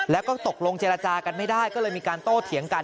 แล้วก็ตกลงเจรจากันไม่ได้ก็เลยมีการโต้เถียงกัน